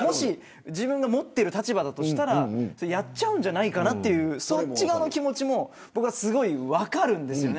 自分が持ってる立場だとしたらやっちゃうんじゃないかっていうそっちの気持ちも分かるんです。